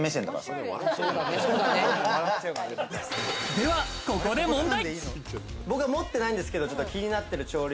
では、ここで問題。